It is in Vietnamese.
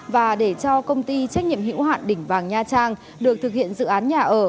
và để cho công ty trách nhiệm hữu hạn đỉnh vàng nha trang được thực hiện dự án nhà ở